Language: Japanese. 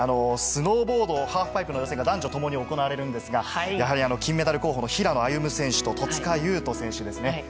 スノーボードハーフパイプの予選が男女ともに行われるんですが、やはり、金メダル候補の平野歩夢選手と戸塚優斗選手ですね。